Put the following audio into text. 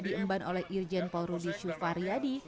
diemban oleh irjen paul rudi sufaryadi